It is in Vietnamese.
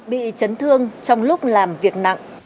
bị chấn thương trong lúc làm việc nặng